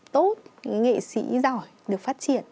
tốt nghệ sĩ giỏi được phát triển